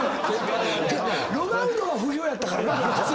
ロナウドは不評やったからな。